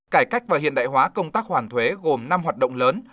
cải cách và hiện đại hóa công tác hoàn thuế gồm năm hoạt động lớn